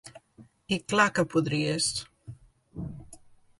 I clar que podries.